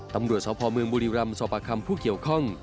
ตำรวจสพเมืองบุรีรำสอบประคำผู้เกี่ยวข้อง